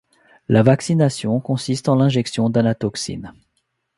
La vaccination consiste en l'injection d'anatoxine.